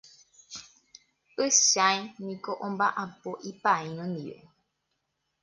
Pychãi niko omba'apo ipaíno ndive.